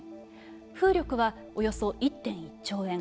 風力はおよそ１．１兆円。